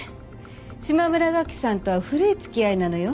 島村楽器さんとは古い付き合いなのよ。